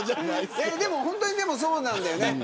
でも本当にそうなんだよね。